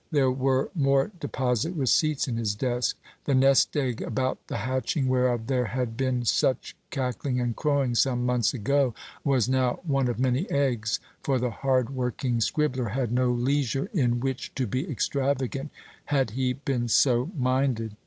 There were more deposit receipts in his desk. The nest egg, about the hatching whereof there had been such cackling and crowing some months ago, was now one of many eggs; for the hard working scribbler had no leisure in which to be extravagant, had he been so minded.